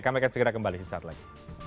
kami akan segera kembali di saat lain